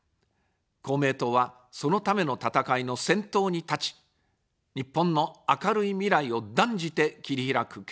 公明党は、そのための闘いの先頭に立ち、日本の明るい未来を断じて切り開く決意です。